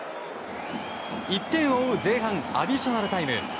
１点を追う前半アディショナルタイム。